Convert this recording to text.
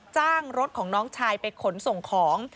จ้างรถของน้องชายไปขนส่งของ